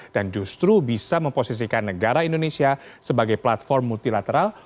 dan justru bisa memposisikan negara indonesia sebagai platform multilateral